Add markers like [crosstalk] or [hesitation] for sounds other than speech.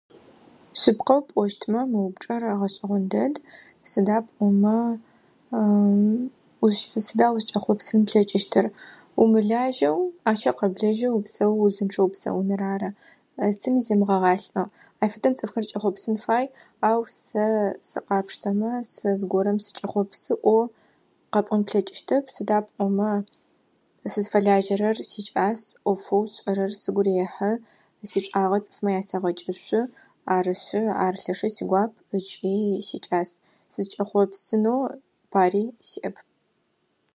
Шъыпкъэу пӏощтмэ, мы упчӏэр гъэшӏэгъон дэд. Сыда пӏомэ, [hesitation] [unintelligible] сыда узкӏэхъопсын плъэкӏыщтыр? Умылажьэу ахъщэ къэблэжьэу упсэоу уузынчъэу упсэуныр ары, зыцэми земыгъэгъалӏэу, ащ фэдэм цӏыфхэр кӏэхъопсын фай. Ау сэ сыкъапштэмэ, сэ зыгорэм сыкӏэхъопсы ӏоу къэпӏон плъэкӏыщтэп, сыда пӏомэ, сызфэлажьэрэр сикӏас, ӏофэу сшӏэрэр сыгу рехьы, сишӏуагъэ цӏыфмэ ясэгъэкӏышъу, арышъы, ар лъэшэу сигуап ыкӏи сикӏас. Сызкӏэхъопсынэу пари сиӏэп.